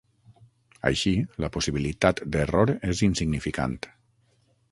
Així, la possibilitat d'error és insignificant.